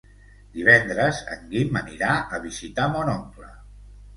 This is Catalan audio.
Divendres en Guim anirà a visitar mon oncle.